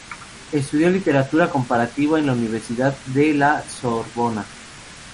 Estudió Literatura Comparativa en la Universidad de la Sorbona.